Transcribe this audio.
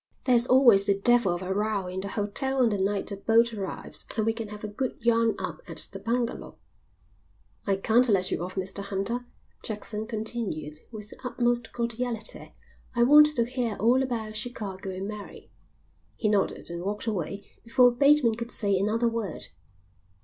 "There's always the devil of a row in the hotel on the night a boat arrives and we can have a good yarn up at the bungalow." "I can't let you off, Mr Hunter," Jackson continued with the utmost cordiality. "I want to hear all about Chicago and Mary." He nodded and walked away before Bateman could say another word.